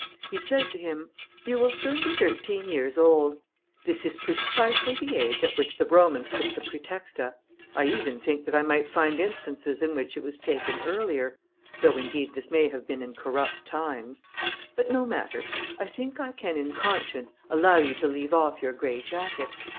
He said to him, "You will soon be thirteen years old; this is precisely the age at which the Romans took the Prætexta. I even think that I might find instances in which it was taken earlier, though, indeed, this may have been in corrupt times. But no matter: I think I can in conscience, allow you to leave off your grey jacket.